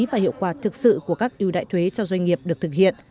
và hiệu quả thực sự của các ưu đại thuế cho doanh nghiệp được thực hiện